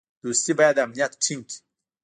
دوستي باید امنیت ټینګ کړي.